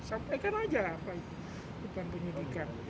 sampaikan aja lah pak bukan penyidikan